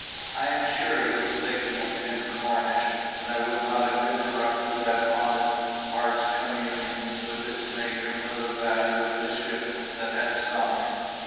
I am sure he was thinking of Jim Cornish, and I would not have interrupted that honest heart's communion with its Maker for the value of the ship that had sunk.